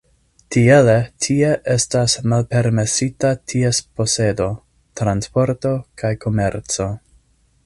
Tiele tie estas malpermesita ties posedo, transporto kaj komerco.